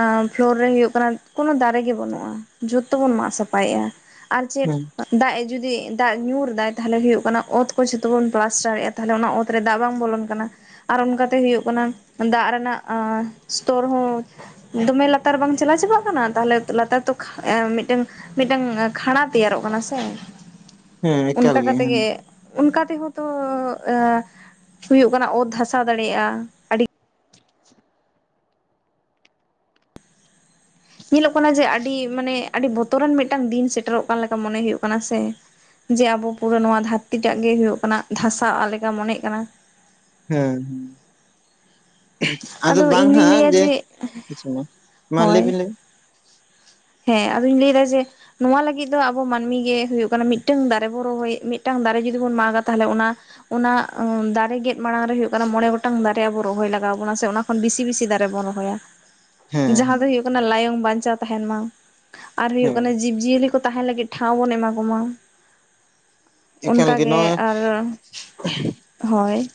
ᱮᱸ ᱯᱷᱳᱞᱳᱨ ᱨᱮ ᱦᱩᱭᱩᱜ ᱠᱟᱱᱟ ᱠᱳᱱᱳ ᱫᱟᱨᱮ ᱜᱮ ᱵᱟᱹᱱᱩᱜᱼᱟ, ᱡᱷᱚᱛᱚ ᱵᱚᱱ ᱢᱟᱜ ᱥᱟᱯᱷᱟᱭᱮᱜᱼᱟ᱾ ᱟᱨ ᱪᱮᱫᱼᱼ ᱦᱮᱸ ᱫᱟᱜ ᱮ ᱡᱩᱫᱤ ᱫᱟᱜ ᱧᱩᱨ ᱮᱫᱟᱭ ᱛᱟᱦᱚᱞᱮ ᱦᱩᱭᱩᱜ ᱠᱟᱱᱟ ᱚᱛ ᱠᱚ ᱡᱷᱚᱛᱚ ᱵᱚᱱ ᱯᱞᱟᱥᱴᱟᱨᱮᱜ-ᱟ ᱛᱟᱦᱚᱞᱮ ᱚᱱᱟ ᱚᱛ [unintelligible] ᱫᱟᱜ ᱵᱟᱝ ᱵᱚᱞᱚᱱ ᱠᱟᱱᱟ ᱟᱨ ᱚᱱᱠᱟ ᱾ ᱛᱮ ᱦᱩᱭᱩᱜ ᱠᱟᱱᱟ ᱫᱟᱜ ᱨᱮᱱᱟᱜ ᱥᱛᱚᱨ ᱦᱚᱸᱼᱼ ᱫᱚᱢᱮ ᱞᱟᱛᱟᱨ ᱵᱟᱝ ᱪᱟᱞᱟᱣ ᱪᱟᱵᱟᱜ ᱠᱟᱱᱟ ᱛᱟᱦᱚᱞᱮ ᱞᱟᱛᱟᱨ ᱛᱚ ᱢᱤᱫᱴᱮᱱ ᱢᱤᱫᱴᱟᱝ ᱠᱷᱟᱸᱲᱟ ᱛᱮᱭᱟᱨᱚᱜ ᱠᱟᱱᱟ ᱥᱮ ᱦᱮᱸ ᱮᱠᱟᱞ ᱚᱱᱠᱟ ᱜᱮ ᱠᱟᱛᱮ ᱦᱮᱸ ᱜᱮᱼᱼ ᱚᱱᱠᱟ ᱛᱮᱦᱚᱸ ᱛᱚ ᱮ ᱦᱩᱭᱩᱜ ᱠᱟᱱᱟ ᱚᱛ ᱫᱷᱟᱥᱟ ᱫᱟᱲᱮᱭᱟᱜᱼᱟ ᱟᱹᱰᱤ ᱧᱮᱞᱚᱜ ᱠᱟᱱᱟ ᱡᱮ ᱟᱹᱰᱤ ᱢᱟᱱᱮ ᱟᱹᱰᱤ ᱵᱚᱛᱚᱨᱟᱱ ᱢᱤᱫᱴᱟᱝ ᱫᱤᱱ ᱥᱮᱴᱮᱨᱚᱜ ᱠᱟᱱ ᱞᱮᱠᱟ ᱢᱚᱱᱮ ᱦᱩᱭᱩᱜ ᱠᱟᱱᱟ ᱥᱮ ᱾ ᱡᱮ ᱟᱵᱚ ᱯᱩᱨᱟᱹ ᱱᱚᱣᱟ ᱫᱷᱟᱹᱨᱛᱤ ᱴᱟᱜ ᱜᱮ ᱦᱩᱭᱩᱜ ᱠᱟᱱᱟ ᱫᱷᱟᱥᱟᱣ ᱟ ᱞᱮᱠᱟ ᱢᱚᱱᱮᱜ ᱠᱟᱱᱟ ᱾ ᱦᱮᱸ [unintelligible] ᱟᱫᱚ ᱵᱟᱝ ᱤᱧ ᱫᱩᱧ ᱦᱟᱸᱜ ᱞᱟᱹᱭᱟ ᱡᱮ, ᱢᱟ‌ ᱞᱟᱹᱭ ᱦᱳᱭ ᱵᱤᱱ ᱞᱟᱹᱭ ᱵᱤᱱᱼᱼ ᱦᱮᱸ ᱟᱫᱚᱧ ᱞᱟᱹᱭ ᱮᱫᱟ ᱡᱮ, ᱱᱚᱣᱟ ᱞᱟᱹᱜᱤᱫ ᱫᱚ ᱟᱵᱚ ᱢᱟᱹᱱᱢᱤ ᱜᱮ ᱦᱩᱭᱩᱜ ᱠᱟᱱᱟ ᱢᱤᱫᱴᱟᱝ ᱫᱟᱨᱮ ᱵᱚᱱ ᱨᱚᱦᱚᱭ ᱢᱤᱫᱴᱟᱝ ᱫᱟᱨᱮ ᱡᱩᱫᱤ ᱵᱚᱱ ᱢᱟᱜᱟ ᱛᱟᱦᱚᱞᱮ ᱚᱱᱟ ᱚᱱᱟ ᱫᱟᱨᱮ ᱜᱮᱫ ᱢᱟᱲᱟᱝ ᱨᱮ ᱦᱩᱭᱩᱜ ᱠᱟᱱᱟ ᱢᱚᱬᱮ ᱜᱚᱴᱟᱝ ᱫᱟᱨᱮ ᱟᱵᱚ ᱨᱚᱦᱚᱭ ᱞᱟᱜᱟᱣ ᱵᱚᱱᱟ ᱥᱮ ᱚᱱᱟ ᱠᱷᱚᱱ ᱵᱮᱥᱤ ᱵᱮᱥᱤ ᱫᱟᱨᱮ ᱵᱚᱱ ᱨᱚᱦᱚᱭᱟ ᱾ ᱦᱮᱸ ᱡᱟᱦᱟᱸ ᱫᱚ ᱦᱩᱭᱩᱜ ᱠᱟᱱᱟ ᱞᱟᱭᱚᱝ ᱵᱟᱧᱪᱟᱣ ᱛᱟᱦᱮᱱ ᱢᱟ ᱾ ᱟᱨ ᱦᱩᱭᱩᱜ ᱦᱮᱸ ᱠᱟᱱᱟ ᱡᱤᱵᱽ ᱡᱤᱭᱟᱹᱞᱤ ᱠᱚ ᱛᱟᱦᱮᱱ ᱞᱟᱹᱜᱤᱫ ᱴᱷᱟᱶ ᱵᱚᱱ ᱮᱢᱟ ᱠᱚᱢᱟ ᱾ ᱮᱠᱟᱞ ᱚᱱᱠᱟ ᱜᱮ ᱱᱚᱜᱼᱚᱭ ᱟᱨ ᱦᱳᱭ ᱾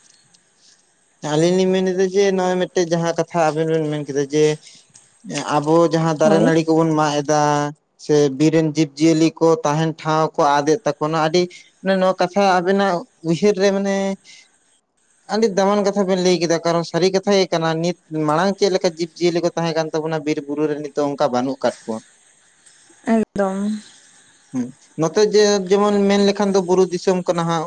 ᱟᱞᱤᱧ ᱞᱤᱧ ᱢᱮᱱᱮᱫᱟ ᱡᱮ ᱱᱚᱜᱼᱚᱭ ᱢᱤᱫᱴᱮᱡ ᱡᱟᱦᱟᱸ ᱠᱟᱛᱷᱟ ᱟᱵᱮᱱ ᱵᱮᱱ ᱢᱮᱱ ᱠᱮᱫᱟ ᱡᱮ ᱟᱵᱚ ᱡᱟᱦᱟᱸ ᱫᱟᱨᱮ ᱦᱳᱭ ᱱᱟᱹᱲᱤ ᱠᱚᱵᱚᱱ ᱢᱟᱜ ᱮᱫᱟ ᱥᱮ ᱵᱤᱨ ᱨᱮᱱ ᱡᱤᱵᱽ ᱡᱤᱭᱟᱹᱞᱤ ᱠᱚ ᱛᱟᱦᱮᱱ ᱴᱷᱟᱶ ᱠᱚ ᱟᱫ ᱮᱜ ᱛᱟᱠᱚᱱᱟ ᱟᱹᱰᱤ ᱢᱟᱱᱮ ᱱᱚᱣᱟ ᱠᱟᱛᱷᱟ ᱟᱵᱮᱱᱟᱜ ᱩᱭᱦᱟᱹᱨ ᱨᱮ ᱢᱟᱱᱮ ᱟᱹᱰᱤ ᱫᱟᱢᱟᱱ ᱠᱟᱛ ᱛᱷᱟ ᱵᱮᱱ ᱞᱟᱹᱭ ᱠᱮᱫᱟ ᱠᱟᱨᱚᱱ ᱥᱟᱹᱨᱤ ᱠᱟᱛᱷᱟ ᱜᱮ ᱠᱟᱱᱟ ᱱᱤᱛ ᱢᱟᱲᱟᱝ ᱪᱮᱫ ᱞᱮᱠᱟ ᱡᱤᱵᱽ ᱡᱤᱭᱟᱹᱞᱤ ᱠᱚ ᱛᱟᱦᱮᱸ ᱠᱟᱱ ᱛᱟᱵᱚᱱᱟ ᱵᱤᱨ ᱵᱩᱨᱩ ᱨᱮ ᱱᱤᱛ ᱚᱱᱠᱟ ᱵᱟᱹᱱᱩᱜ ᱟᱠᱟᱫ ᱠᱚᱣᱟ ᱮᱠᱫᱚᱢᱼᱼ ᱱᱚᱛᱮ ᱡᱮ ᱡᱮᱢᱚᱱ ᱢᱮᱱ ᱞᱮᱠᱷᱟᱱ ᱫᱚ ᱵᱩᱨᱩ ᱫᱤᱥᱚᱢ ᱠᱟᱱᱟ ᱦᱟᱸᱜ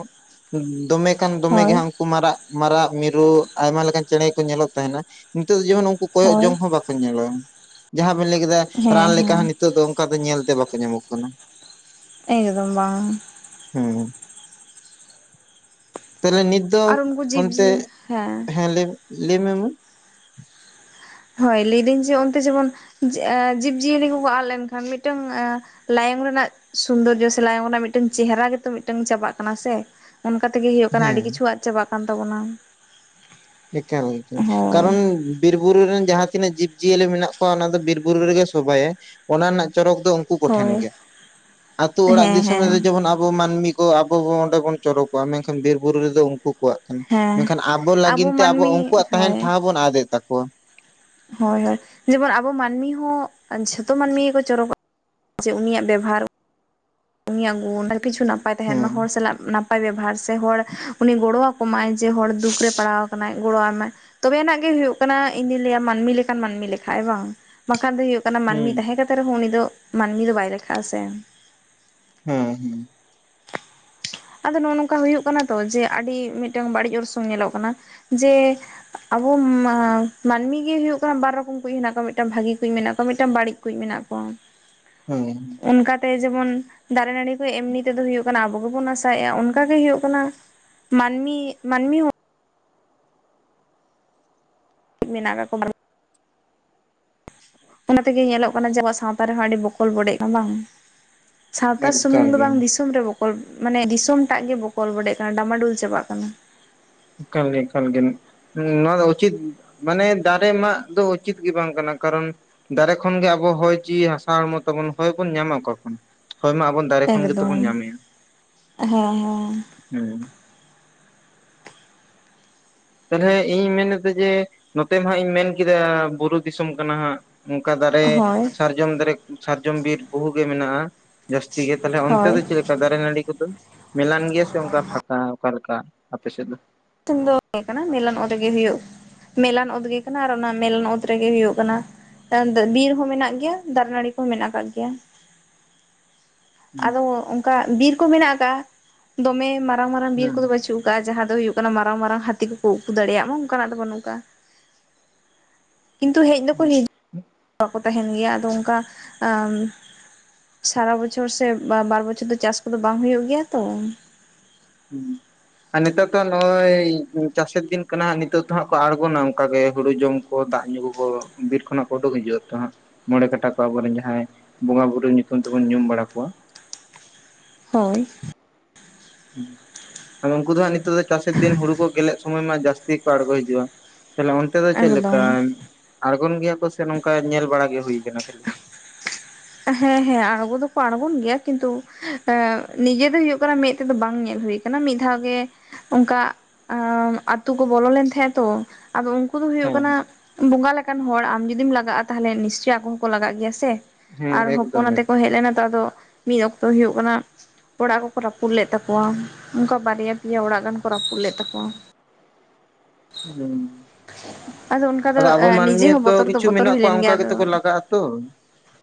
ᱫᱚᱢᱮ ᱠᱷᱟᱱ ᱫᱚᱢᱮ ᱜᱮ ᱦᱳᱭ ᱦᱟᱸᱜ ᱩᱱᱠᱩ ᱢᱟᱨᱟᱜ ᱢᱟᱨᱟᱜ ᱢᱤᱨᱩ ᱟᱭᱢᱟ ᱞᱮᱠᱟᱱ ᱪᱮᱬᱮ ᱠᱚ ᱧᱮᱞᱚᱜ ᱛᱟᱦᱮᱱᱟ ᱾ ᱱᱤᱛᱚᱜ ᱫᱚ ᱡᱮᱢᱚᱱ ᱩᱱᱠᱩ ᱠᱚᱭᱚᱜ ᱦᱳᱭ ᱡᱚᱝ ᱦᱚᱸ ᱵᱟᱠᱚ ᱧᱮᱞᱚᱜᱼᱟ ᱡᱟᱦᱟᱸ ᱵᱮᱱ ᱞᱟᱹᱭ ᱠᱮᱫᱟ ᱨᱟᱱ ᱦᱮᱸ ᱞᱮᱠᱟ ᱦᱮᱸ ᱦᱚᱸᱼᱼ ᱱᱤᱛᱚᱜ ᱫᱚ ᱚᱱᱠᱟ ᱫᱚ ᱧᱮᱞ ᱛᱮ ᱵᱟᱠᱚ ᱧᱟᱢᱚᱜ ᱠᱟᱱᱟ ᱾ ᱮᱠᱫᱚᱢ ᱵᱟᱝ ᱦᱮᱸ ᱛᱟᱦᱞᱮ ᱱᱤᱛ ᱫᱚ ᱟᱨ ᱩᱱᱠᱩ ᱚᱱᱛᱮ ᱡᱤᱵᱽᱡᱤᱭᱟᱹ ᱦᱮᱸ ᱦᱮᱸ ᱞᱟᱢᱮ ᱞᱟᱹᱭᱢᱮ ᱢᱟ᱾ ᱦᱳᱭ ᱞᱟᱹᱭᱫᱟᱹᱧ ᱡᱮ ᱚᱱᱛᱮ ᱡᱮᱢᱚᱱ ᱡᱤ ᱟ ᱡᱤᱵᱽ ᱡᱤᱭᱟᱹᱞᱤ ᱠᱚᱠᱚ ᱟᱫ ᱞᱮᱱᱠᱷᱟᱱ ᱢᱤᱫᱴᱟᱝ ᱟ ᱞᱟᱭᱚᱝ ᱨᱮᱱᱟᱜ ᱥᱩᱱᱫᱚᱨᱡᱚ ᱥᱮ ᱞᱟᱭᱚᱝ ᱨᱮᱱᱟᱜ ᱢᱤᱫᱴᱟᱝ ᱪᱮᱦᱨᱟ ᱜᱮᱛᱚ ᱢᱤᱫᱴᱟᱝ ᱪᱟᱵᱟᱜ ᱠᱟᱱᱟ ᱥᱮ᱾ ᱚᱱᱠᱟ ᱛᱮᱜᱮ ᱦᱩᱭᱩᱜ ᱠᱟᱱᱟ ᱟᱹᱰᱤ ᱦᱮᱸ ᱠᱤᱪᱷᱩ ᱟᱫ ᱪᱟᱵᱟᱜ ᱠᱟᱱ ᱛᱟᱵᱚᱱᱟ᱾ ᱮᱠᱟᱞ ᱜᱚᱝᱠᱮ ᱦᱳᱭ ᱠᱟᱨᱚᱱ ᱵᱤᱨ ᱵᱩᱨᱩᱨ ᱨᱮᱱ ᱡᱟᱦᱟᱸ ᱛᱤᱱᱟᱹᱜ ᱡᱤᱵᱽ ᱡᱤᱭᱟᱹᱞᱤ ᱢᱮᱱᱟᱜ ᱠᱚᱣᱟ ᱚᱱᱟ ᱫᱚ ᱵᱤᱨ ᱵᱩᱨᱩ ᱨᱮᱜᱮ ᱥᱚᱵᱟᱭᱟᱭ᱾ ᱚᱱᱟ ᱨᱮᱱᱟᱜ ᱪᱚᱨᱚᱠ ᱫᱚ ᱩᱱᱠᱩ ᱦᱳᱭ ᱠᱚᱴᱷᱮᱱ ᱜᱮ᱾ ᱟᱹᱛᱩ ᱚᱲᱟᱜ ᱦᱮᱸ ᱫᱤᱥᱚᱢ ᱦᱮᱸ ᱨᱮᱫᱚ ᱡᱮᱢᱚᱱ ᱟᱵᱚ ᱢᱟᱹᱱᱢᱤ ᱠᱚ ᱟᱵᱚ ᱵᱚ ᱚᱸᱰᱮ ᱵᱚᱱ ᱪᱚᱨᱚᱠ ᱠᱚᱜᱼᱟ᱾ ᱢᱮᱱᱠᱷᱟᱱ ᱵᱤᱨ ᱵᱩᱨᱩ ᱨᱮᱫᱚ ᱩᱱᱠᱩ ᱠᱚᱣᱟᱜ ᱠᱟᱱᱟ᱾ ᱦᱮᱸ ᱢᱮᱱᱠᱷᱟᱱ ᱟᱵᱚ ᱞᱟᱹᱜᱤᱱ ᱢᱟᱹᱱᱢᱤ ᱦᱳᱭ ᱵᱚᱱ ᱟᱫᱮᱫ ᱛᱟᱠᱚᱣᱟ᱾ ᱦᱳᱭ ᱦᱳᱭ᱾ ᱡᱮᱢᱚᱱ ᱟᱵᱚ ᱢᱟᱹᱱᱢᱤ ᱦᱚᱸ ᱡᱷᱚᱛᱚ ᱢᱟᱹᱱᱢᱤ ᱜᱮᱠᱚ ᱪᱚᱨᱚᱠᱚᱜ ᱡᱮ ᱩᱱᱤᱭᱟᱜ ᱵᱮᱵᱚᱦᱟᱨ ᱩᱱᱤᱭᱟᱜ ᱜᱩᱱ ᱟᱨ ᱠᱤᱪᱷᱩ ᱱᱟᱯᱟᱭ ᱛᱟᱦᱮᱱ ᱢᱟ, ᱦᱚᱲ ᱦᱮᱸ ᱥᱟᱞᱟᱜ ᱱᱟᱯᱟᱭ ᱵᱮᱵᱚᱦᱟᱨ ᱥᱮ ᱦᱚᱲ ᱩᱱᱤ ᱜᱚᱲᱚ ᱟᱠᱚᱢᱟᱭ᱾ ᱡᱮ ᱦᱚᱲ ᱫᱩᱠ ᱨᱮ ᱯᱟᱲᱟᱣ ᱠᱟᱱᱟᱭ ᱡᱮ ᱜᱚᱲᱚ ᱟᱭᱢᱟᱭ ᱛᱚᱵᱮ ᱟᱱᱟᱜ ᱜᱮ ᱦᱩᱭᱩᱜ ᱠᱟᱱᱟ ᱤᱧ ᱫᱩᱧ ᱞᱟᱹᱭᱟ ᱢᱟᱹᱱᱢᱤ ᱞᱮᱠᱟᱱ ᱢᱟᱹᱱᱢᱤ ᱞᱮᱠᱷᱟ ᱟᱭ ᱵᱟᱝ᱾ ᱵᱟᱠᱷᱟᱱ ᱫᱚ ᱦᱩᱭᱩᱜ ᱠᱟᱱᱟ ᱢᱟᱹᱱᱢᱤ ᱦᱩᱸ ᱛᱟᱦᱮᱸ ᱠᱟᱛᱮ ᱨᱮᱦᱚᱸ ᱩᱱᱤ ᱫᱚ ᱢᱟᱹᱱᱢᱤ ᱫᱚ ᱵᱟᱭ ᱞᱮᱠᱷᱟᱜᱼᱟ ᱥᱮ ᱦᱮᱸ ᱦᱩᱸ᱾ ᱟᱫᱚ ᱱᱚᱸᱜ-ᱚ ᱱᱚᱝᱠᱟ ᱦᱩᱭᱩᱜ ᱠᱟᱱᱟ ᱛᱚ ᱡᱮ ᱟᱹᱰᱤ ᱢᱤᱫᱴᱟᱝ ᱵᱟᱹᱲᱤᱡ ᱚᱨᱥᱚᱝ ᱧᱮᱞᱚᱜ ᱠᱟᱱᱟ ᱡᱮ ᱟᱵᱚ ᱢᱟ ᱢᱟᱹᱱᱢᱤ ᱜᱮ ᱦᱩᱭᱩᱜ ᱠᱟᱱᱟ ᱵᱟᱨ ᱨᱚᱠᱚᱢ ᱠᱩᱭᱤᱡ ᱦᱮᱱᱟᱜ ᱠᱚᱣᱟ ᱢᱤᱫᱴᱟᱝ ᱵᱷᱟᱹᱜᱤ ᱠᱩᱡ ᱢᱮᱱᱟᱜ ᱠᱚᱣᱟ ᱢᱤᱫᱴᱟᱝ ᱵᱟᱹᱲᱤᱡ᱾ ᱠᱩᱡ ᱢᱮᱱᱟᱜ ᱠᱚᱣᱟ᱾ ᱦᱮᱸ᱾ ᱚᱱᱠᱟᱛᱮ ᱡᱮᱢᱚᱱ ᱫᱟᱨᱮ ᱱᱟᱹᱲᱤ ᱠᱚ ᱮᱢᱱᱤ ᱛᱮᱫᱚ ᱦᱚᱭᱩᱜ ᱠᱟᱱᱟ ᱟᱵᱚ ᱜᱮᱵᱚᱱ ᱟᱥ ᱛᱟᱭᱮ-ᱟ ᱚᱱᱠᱟ ᱜᱮ ᱦᱩᱭᱩᱜ ᱠᱟᱱᱟ ᱢᱟᱹᱱᱢᱤ ᱢᱟᱹᱱᱢᱤ ᱦᱩ ᱢᱮᱱᱟᱜ ᱠᱟᱜ ᱠᱚ ᱵᱟᱨ ᱚᱱᱟ ᱛᱮᱜᱮ ᱧᱮᱞᱚᱜ ᱠᱟᱱᱟ ᱡᱮ ᱟᱵᱣᱟᱜ ᱥᱟᱶᱛᱟ ᱨᱮᱦᱚᱸ ᱟᱹᱰᱤ ᱵᱚᱠᱚᱞ ᱵᱚᱰᱮᱜ ᱠᱟᱱᱟ ᱵᱟᱝ᱾ ᱥᱟᱶᱛᱟ ᱮᱠᱟᱞ ᱥᱩᱢᱩᱝ ᱫᱚ ᱜᱮ ᱵᱟᱝ ᱫᱤᱥᱚᱢ ᱨᱮᱵᱚ ᱠᱚᱞ ᱢᱟᱱᱮ ᱫᱤᱥᱚᱢ ᱴᱟᱜ ᱜᱮ ᱵᱠᱚᱞ ᱵᱟᱰᱮᱜ ᱠᱟᱱᱟ ᱰᱟᱢᱟᱰᱩᱞ ᱪᱟᱵᱟᱜ ᱠᱟᱱᱟ᱾ ᱮᱠᱟᱞ ᱜᱮ ᱮᱠᱟᱞ ᱜᱮᱱ᱾ ᱦᱩᱸ ᱱᱚᱣᱟ ᱫᱚ ᱩᱪᱤᱛ ᱢᱟᱱᱮ ᱫᱟᱨᱮ ᱢᱟᱜ ᱫᱚ ᱩᱪᱤᱛ ᱜᱮ ᱵᱟᱝ ᱠᱟᱱᱟ᱾ ᱠᱟᱨᱚᱱ ᱫᱟᱨᱮ ᱠᱷᱚᱱ ᱜᱮ ᱟᱵᱚ ᱦᱚᱭ ᱡᱤᱭᱤ ᱦᱟᱥᱟ ᱦᱚᱲᱢᱚ ᱛᱟᱵᱚᱱ᱾ ᱦᱚᱭ ᱵᱚᱱ ᱧᱟᱢᱟ ᱚᱠᱟ ᱠᱷᱚᱱ᱾ ᱦᱚᱭ ᱢᱟ ᱟᱵᱚᱱ ᱫᱟᱨᱮ ᱠᱷᱚᱱ ᱜᱮᱛᱚ ᱵᱚᱱ ᱮᱠᱫᱚᱢ ᱧᱟᱢᱮᱭᱟ᱾ ᱦᱮᱸ ᱦᱮᱸ ᱦᱮᱸ᱾ ᱛᱟᱞᱦᱮ ᱤᱧ ᱢᱮᱱ ᱮᱫᱟ ᱡᱮ ᱱᱚᱛᱮ ᱢᱟ ᱦᱟᱸᱜ ᱤᱧ ᱢᱮᱱ ᱠᱮᱫᱟ ᱵᱩᱨᱩ ᱫᱤᱥᱚᱢ ᱠᱟᱱᱟ ᱦᱟᱸᱜ᱾ ᱚᱱᱠᱟ ᱫᱟᱨᱮ ᱦᱳᱭ ᱥᱟᱨᱡᱚᱢ ᱫᱟᱨᱮ ᱥᱟᱨᱡᱚᱢ ᱵᱤᱨ ᱵᱚᱦᱩ ᱜᱮ ᱢᱮᱱᱟᱜᱼᱟ᱾ ᱡᱟᱹᱥᱛᱤ ᱜᱮ ᱛᱟᱞᱦᱮ ᱚᱱᱛᱮ ᱦᱳᱭ ᱫᱚ ᱪᱮᱫ ᱞᱮᱠ ᱠᱟ ᱫᱟᱨᱮ ᱱᱟᱹᱲᱤ ᱠᱚᱫᱚ᱾ ᱢᱮᱞᱟᱱ ᱜᱮᱭᱟ ᱥᱮ ᱚᱱᱠᱟ ᱯᱷᱟᱠᱟ ᱚᱠᱟ ᱞᱮᱠᱟ ᱟᱯᱮ ᱥᱮᱫ ᱫᱚ? ᱛᱤᱧ ᱫᱚ ᱛᱟᱦᱮᱸ ᱠᱟᱱᱟ ᱢᱮᱤᱞᱚᱱ ᱚᱸᱰᱮ ᱜᱮ ᱦᱩᱭᱩᱜ ᱢᱮᱞᱟᱱ ᱚᱫᱽ ᱜᱮ ᱠᱟᱱᱟ ᱟᱨ ᱚᱱᱟ ᱢᱮᱞᱟᱱ ᱚᱛ ᱨᱮᱜᱮ ᱦᱩᱭᱩᱜ ᱠᱟᱱᱟ᱾ [unintelligible] ᱵᱤᱨ ᱦᱚᱸ ᱢᱮᱱᱟᱜ ᱜᱮᱭᱟ, ᱫᱟᱨᱮ ᱱᱟᱹᱲᱤ ᱠᱚᱦᱚᱸ ᱢᱮᱱᱟᱜ ᱠᱟᱜ ᱜᱮᱭᱟ᱾ ᱟᱫᱚ ᱚᱱᱠᱟ ᱵᱤᱨᱠᱚ ᱢᱮᱱᱟᱜ ᱟᱠᱟᱫ-ᱟ, ᱫᱚᱢᱮ ᱢᱟᱨᱟᱝ ᱢᱟᱨᱟᱝ ᱵᱤᱨ ᱠᱚᱫᱚ ᱦᱩᱸ ᱵᱟᱹᱪᱩᱜ᱾ ᱚᱠᱟ ᱡᱟᱦᱟᱸ ᱫᱚ ᱦᱩᱭᱩᱜ ᱠᱟᱱᱟ ᱢᱟᱨᱟᱝ ᱢᱟᱨᱟᱝ ᱦᱟᱹᱛᱤ ᱠᱚᱠᱚ ᱩᱠᱩ ᱫᱟᱲᱮᱭᱟᱜ ᱢᱟ ᱚᱱᱠᱟᱱᱟᱜ ᱫᱚ ᱵᱟᱹᱱᱩᱜ ᱠᱟᱜᱼᱟ᱾ ᱠᱤᱱᱛᱩ ᱦᱮᱡ ᱫᱚᱠᱚ ᱦᱤᱡ [inaudible] ᱵᱟᱠᱚ ᱛᱟᱦᱮᱱ ᱜᱮᱭᱟ ᱟᱫᱚ ᱚᱱᱠᱟ ᱟᱢ ᱥᱟᱨᱟ ᱵᱚᱪᱷᱚᱨ ᱥᱮ ᱵᱟᱨ ᱵᱟ-ᱵᱚᱪᱷᱚᱨ ᱫᱚ ᱪᱟᱥ ᱠᱚᱫᱚ ᱵᱟᱝ ᱦᱩᱭᱩᱜᱭ ᱜᱮᱭᱟ ᱛᱚ᱾ ᱦᱩᱸ᱾ ᱟᱨ ᱱᱮᱛᱟᱨ ᱫᱚ ᱦᱟᱸᱜ ᱱᱚᱜᱼᱚᱭ ᱪᱟᱥᱮᱨ ᱫᱤᱱ ᱠᱟᱱᱟ ᱦᱟᱸᱜ ᱱᱤᱛᱚᱜ ᱫᱚ ᱦᱟᱸᱜ ᱠᱚ ᱟᱬᱜᱚᱱᱟ ᱚᱱᱠᱟ ᱜᱮ ᱦᱩᱲᱩ ᱡᱚᱢ᱾ ᱫᱟᱜ ᱧᱩ ᱠᱚᱠᱚ, ᱵᱤᱨ ᱠᱷᱚᱱᱟᱜ ᱠᱚ, ᱩᱰᱩᱜ ᱦᱤᱡᱩᱜ ᱟᱛᱚ ᱦᱟᱸᱜ᱾ ᱢᱚᱬᱮ ᱠᱟᱴᱟ ᱠᱚ, ᱟᱵᱚᱨᱮᱱ ᱡᱟᱸᱦᱟᱭ, ᱵᱚᱸᱜᱟ ᱵᱩᱨᱩ ᱧᱩᱛᱩᱢ ᱛᱮᱵᱚᱱ ᱧᱩᱢ ᱵᱟᱲᱟ ᱠᱚᱣᱟ᱾ ᱦᱳᱭ ᱦᱩᱸ, ᱟᱫᱚ ᱩᱱᱠᱩ ᱫᱚ ᱦᱟᱸᱜ ᱱᱤᱛᱚᱜ ᱫᱚ ᱦᱟᱸᱜ, ᱪᱟᱥᱮᱨ ᱫᱤᱱ ᱦᱩᱲᱩ ᱠᱚ, ᱜᱮᱞᱮᱜ ᱥᱚᱢᱚᱭ ᱢᱟ, ᱡᱟᱹᱟᱥᱛᱤᱼᱼ [unintelligible] ᱟᱲᱜᱚ ᱦᱤᱡᱩᱜᱼᱟ, ᱛᱟᱦᱞᱮ ᱚᱱᱛᱮ ᱫᱚ ᱪᱮᱜ ᱞᱮᱠᱟ? ᱮᱠᱫᱚᱢ ᱟᱬᱜᱚᱱ ᱜᱮᱭᱟ ᱠᱚ ᱥᱮ, ᱱᱚᱝᱠᱟ ᱧᱮᱞ ᱵᱟᱲᱟ ᱜᱮ ᱦᱩᱭ ᱟᱠᱟᱱᱟ, ᱠᱷᱟᱹᱞᱤ? ᱦᱮᱸ ᱦᱮᱸ, ᱟᱬᱜᱚ ᱫᱚᱠᱚ ᱟᱲᱜᱚᱱ ᱜᱮᱭᱟ, ᱠᱤᱱᱛᱩ, ᱮᱸ, ᱱᱤᱡᱮ ᱫᱚ ᱦᱩᱭᱩᱜ ᱠᱟᱱᱟ, ᱢᱮᱫ ᱛᱮᱫᱚ ᱵᱟᱝ ᱧᱮᱞ ᱦᱩᱭ ᱠᱟᱱᱟᱼᱼ ᱠᱟᱱᱟ ᱢᱤᱫ ᱫᱷᱟᱣ ᱜᱮ, ᱚᱱᱠᱟ, ᱟ, ᱟᱛᱩ ᱠᱚ ᱵᱚᱞᱚ ᱞᱮᱱ ᱛᱟᱦᱮᱸᱼᱟ, ᱛᱚ, ᱟᱫᱚ, ᱩᱱᱠᱩ ᱫᱚ ᱦᱩᱭᱩᱜ ᱠᱟᱱᱟ, ᱦᱮᱸ ᱵᱚᱸᱜᱟ ᱞᱮᱠᱟᱱ ᱦᱚᱲ, ᱟᱢ ᱡᱩᱫᱤᱢ, ᱞᱟᱜᱟᱜᱼᱟ ᱛᱟᱦᱚᱞᱮ, ᱱᱤᱥᱪᱳᱭ ᱟᱠᱚ ᱦᱚᱸᱠᱚ ᱞᱟᱜᱟᱜ ᱜᱮᱭᱟ, ᱥᱮᱼᱼ ᱦᱮᱸ ᱟᱨ, ᱮᱠᱫᱚᱢ ᱦᱚᱯᱚᱚᱱ ᱟᱛᱮᱜ ᱠᱚ, ᱮᱠᱫᱚᱢ ᱦᱮᱡ ᱞᱮᱱᱟ ᱛᱚ, ᱟᱫᱚ, ᱢᱤᱫ ᱚᱠᱛᱚ ᱦᱩᱭᱩᱜ ᱠᱟᱱᱟᱼᱼ ᱚᱲᱟᱜ ᱠᱚᱠᱚ ᱨᱟᱹᱯᱩᱫ ᱞᱮᱫ ᱛᱟᱠᱚᱣᱟ, ᱚᱱᱠᱟ ᱵᱟᱨᱭᱟᱼᱯᱮᱭᱟ ᱚᱲᱟᱜ ᱜᱟᱱ ᱠᱚ ᱨᱟᱹᱯᱩᱫ ᱞᱮᱫ ᱛᱟᱠᱚᱣᱟ᱾ ᱦᱩᱸ ᱚᱱᱠᱟ ᱫᱚ ᱟᱫᱚ ᱟᱵᱚ ᱢᱟᱹᱱᱢᱤ ᱱᱤᱡᱮ ᱦᱚᱸ ᱦᱚᱛᱚ, ᱵᱚᱛᱚᱨ ᱫᱚ ᱠᱤᱪᱷᱩ ᱵᱚᱛᱚᱨ ᱢᱮᱱᱟᱜ ᱦᱩᱭ ᱠᱚᱣᱟ, ᱞᱮᱱ ᱜᱮᱭᱟ ᱚᱱᱠᱟ ᱜᱮᱛᱚ ᱟᱫᱚ ᱠᱚ ᱞᱟᱜᱟᱜ ᱟᱛᱚ᱾